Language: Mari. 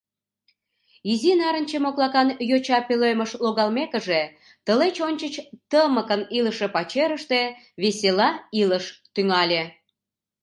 Изи нарынче моклакан йоча пӧлемыш логалмекыже, тылеч ончыч тымыкын илыше пачерыште весела илыш тӱҥале.